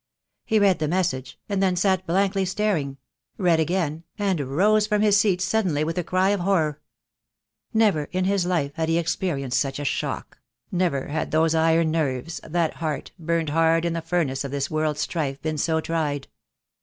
He read the message, and then sat blankly staring; read again, and rose from his seat suddenly with a cry of horror. Never in his life had he experienced such a shock; never had those iron nerves, that heart, burned hard in the furnace of this world's strife, been so tried.